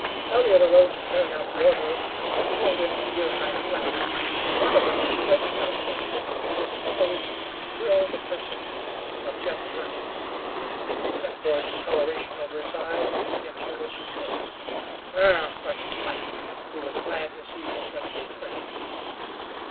Elliott arose to carry out the order, and had pulled in the deer hide flaps, when one of them was jerked outward to disclose the befrilled person of Jim Girty. Except for a discoloration over his eye, he appeared as usual. "Ugh!" grunted Pipe, who was glad to see his renegade friend.